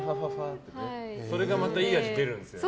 それがまたいい味、出るんですよね。